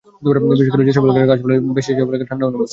বিশেষ করে যেসব এলাকায় গাছপালা বেশি সেসব এলাকায় ঠান্ডা অনুভূত হচ্ছে।